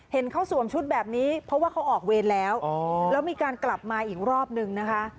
เห็นเขาสวมชุดแบบนี้เพราะว่าเขาออกเวรแล้วแล้วมีการกลับมาอีกรอบนึงนะคะ